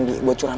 pd bokah cuma